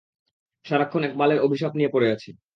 সারাক্ষণ এক বালের অভিশাপ নিয়ে পড়ে আছে।